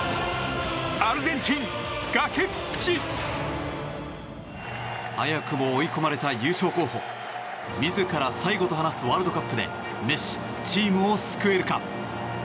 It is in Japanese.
アルゼンチン、崖っぷち！早くも追い込まれた優勝候補自ら最後と話すワールドカップでメッシ、チームを救えるか？